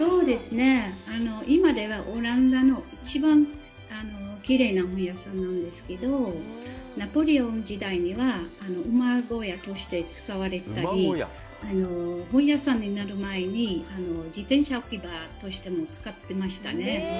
今ではオランダの一番きれいな本屋さんなんですけど、ナポレオン時代には馬小屋として使われてたり、本屋さんになる前に自転車置き場としても使ってましたね。